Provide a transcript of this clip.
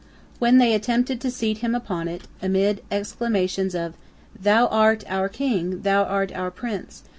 When they attempted to seat him upon it, amid exclamations of "Thou art our king! Thou art our prince!